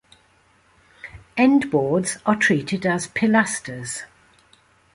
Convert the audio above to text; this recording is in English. End boards are treated as pilasters.